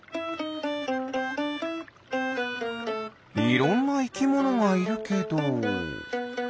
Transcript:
いろんないきものがいるけど。